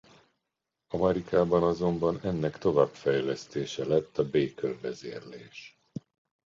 Amerikában azonban ennek továbbfejlesztése lett a Baker vezérlés.